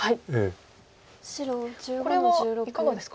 これはいかがですか？